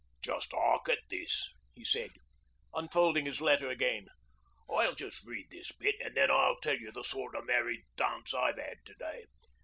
'Just 'ark at this,' he said, unfolding his letter again. 'I'll just read this bit, an' then I'll tell you the sort of merry dance I've 'ad to day.